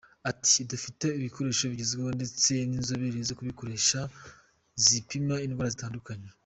Ati’’ Dufite ibikoresho bigezweho, ndetse n’inzobere zo kubikoresha zipima indwara zitandukanye… ‘’.